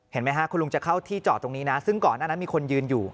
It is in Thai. เห็นไหมฮะคุณลุงจะเข้าที่จอดตรงนี้นะซึ่งก่อนหน้านั้นมีคนยืนอยู่